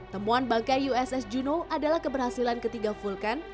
temuan bangkai uss geno adalah keberhasilan ketiga vulkan